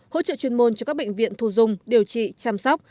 hỗ trợ chuyên môn cho các bệnh viện thu dung điều trị chăm sóc